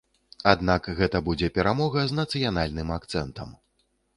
Аднак гэта будзе перамога з нацыянальным акцэнтам.